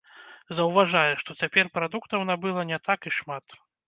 Заўважае, што цяпер прадуктаў набыла не так і шмат.